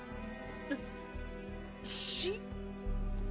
えっ死？